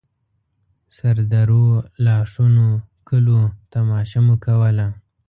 سردرو، لاښونو، کليو تماشه مو کوله.